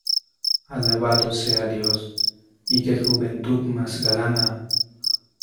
¡ alabado sea Dios, y qué juventud más galana!